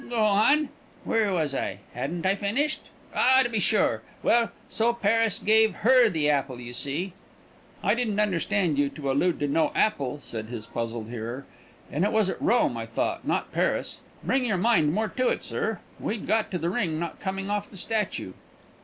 "Go on? Where was I? Hadn't I finished? Ah, to be sure! Well, so Paris gave her the apple, you see." "I didn't understand you to allude to no apple," said his puzzled hearer; "and it was at Rome, I thought, not Paris. Bring your mind more to it, sir; we'd got to the ring not coming off the statue."